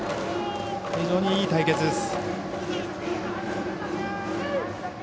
非常にいい対決です。